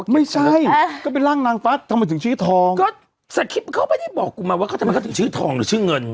ไม่ใช่ก็เป็นร่างนางฟ้าทำไมถึงชื่อทองก็สคริปเขาไม่ได้บอกกูมาว่าเขาทำไมเขาถึงชื่อทองหรือชื่อเงิน